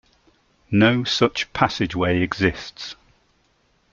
No such passageway exists.